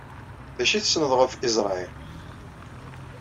D acu i tessneḍ ɣef Israel?